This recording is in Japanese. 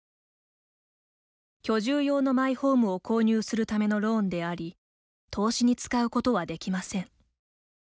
居住用のマイホームを購入するためのローンであり投資に使うことはできません。